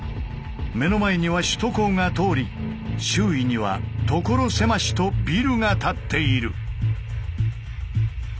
目の前には首都高が通り周囲には所狭しとビルが立っている。